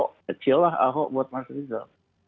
kecil lah aho buat mas rizal